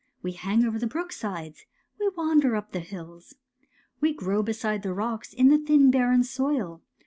We hang over the brooksides. We wander up the hills. << We grow beside the rocks in thin barren soil.